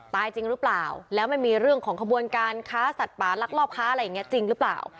จริงหรือเปล่าแล้วมันมีเรื่องของขบวนการค้าสัตว์ป่าลักลอบค้าอะไรอย่างเงี้จริงหรือเปล่า